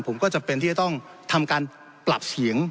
ผมก็จำเป็นที่จะต้องทำการปรับเสียง